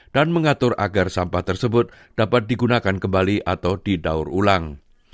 dan mengatur agar sampah tersebut dapat digunakan kembali atau didaur ulang